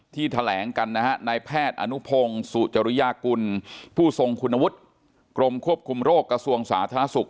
แถลงกันนะฮะนายแพทย์อนุพงศ์สุจริยากุลผู้ทรงคุณวุฒิกรมควบคุมโรคกระทรวงสาธารณสุข